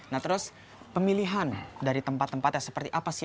nah terus pemilihan dari tempat tempatnya seperti apa sih